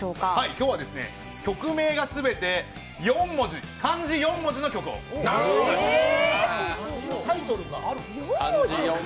今日は曲名が全て漢字４文字の曲です。